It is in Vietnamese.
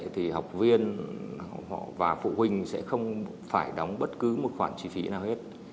thì học viên họ và phụ huynh sẽ không phải đóng bất cứ một khoản chi phí nào hết